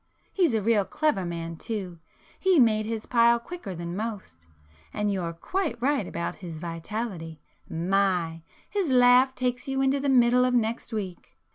He's a real clever man too; he's made his pile quicker than most. And you're quite right about his vitality,—my!—his laugh takes you into the middle of next week!"